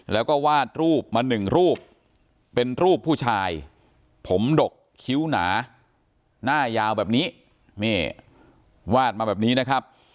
แล้วก็วาดรูปมาหนึ่งรูปเป็นรูปผู้ชายผมดกคิ้วหนาหน้ายาวแบบนี้นี่วาดมาแบบนี้นะครับ